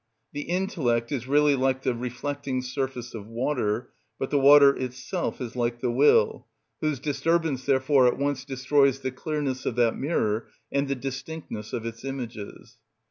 The intellect is really like the reflecting surface of water, but the water itself is like the will, whose disturbance therefore at once destroys the clearness of that mirror and the distinctness of its images.